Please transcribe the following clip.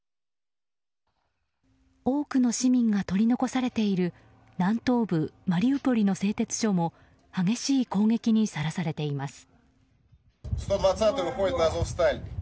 多くの市民が取り残されている南東部マリウポリの製鉄所も激しい攻撃にさらされています。